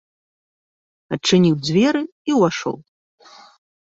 Адчыніў дзверы і ўвайшоў.